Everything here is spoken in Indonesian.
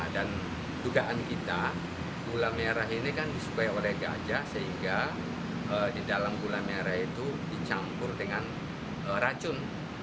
dan dugaan kita gula merah ini kan disukai oleh gajah sehingga di dalam gula merah itu dicampur dengan racun